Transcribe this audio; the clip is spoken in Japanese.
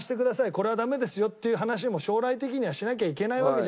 これはダメですよっていう話も将来的にはしなきゃいけないわけじゃない。